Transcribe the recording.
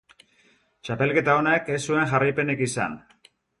Txapelketa honek ez zuen jarraipenik izan.